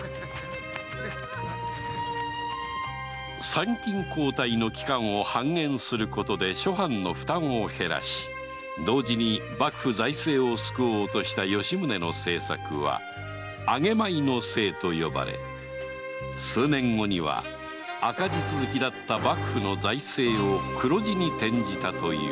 参勤交代の期間を半減することで諸藩の負担を減らし同時に幕府財政を救おうとした吉宗の政策は「上米の制」と呼ばれ数年後には赤字続きだった幕府の財政を黒字に転じたという